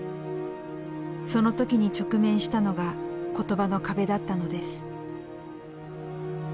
その時に直面したのが言葉の壁だったのです。